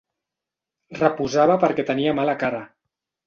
Reposava perquè tenia mala cara.